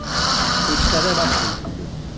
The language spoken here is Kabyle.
Ur ttara ara aɣbel fell-i.